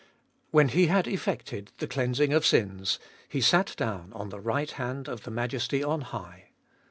When He had effected the cleansing of sins, He sat down on the rig lit hand of the Majesty on high.